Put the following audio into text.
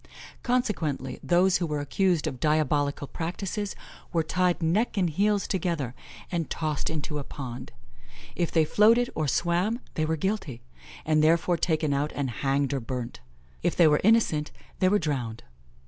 Consequently, those who were accused of diabolical practices, were tied neck and heels together, and tossed into a pond; if they floated or swam they were guilty, and therefore taken out and hanged or burnt; if they were innocent, they were drowned.